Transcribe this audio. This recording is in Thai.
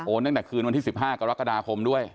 ตั้งแต่คืนวันที่๑๕กรกฎาคมด้วย